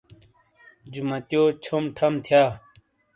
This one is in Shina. جُماتییو چھوم ٹھم تھیا۔